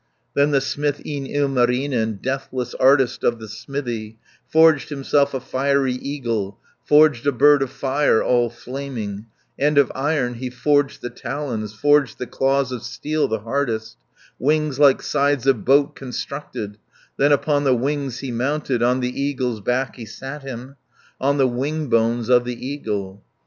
Then the smith, e'en Ilmarinen, Deathless artist of the smithy, Forged himself a fiery eagle, Forged a bird of fire all flaming, And of iron he forged the talons, Forged the claws of steel the hardest, 190 Wings like sides of boat constructed; Then upon the wings he mounted, On the eagle's back he sat him, On the wing bones of the eagle.